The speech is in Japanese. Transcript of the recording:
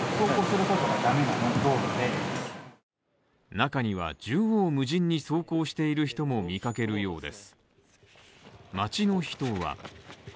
中には縦横無尽に走行している人も見かけるようです。